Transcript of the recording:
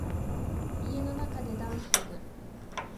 家の中でダンシング